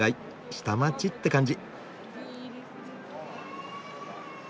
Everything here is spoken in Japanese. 下町って感じ。